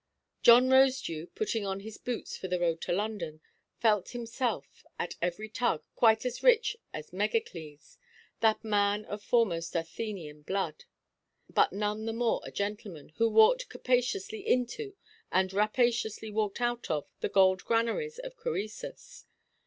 John Rosedew, putting on his boots for the road to London, felt himself, at every tug, quite as rich as Megacles—that man of foremost Athenian blood, but none the more a gentleman, who walked capaciously into, and rapaciously walked out of, the gold–granaries of Crœsus.